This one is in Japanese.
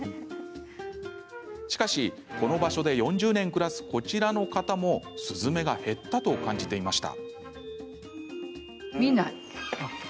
しかし、この場所で４０年暮らす、こちらの方もスズメが減ったと感じていました。